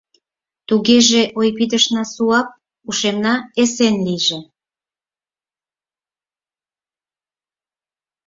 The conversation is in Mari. — Тугеже, ойпидышна суап, ушемна эсен лийже!